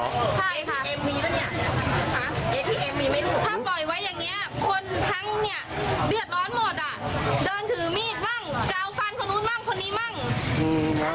จะเอาฟันคนนู้นบ้างคนนี้บ้าง